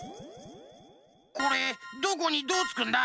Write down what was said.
これどこにどうつくんだ？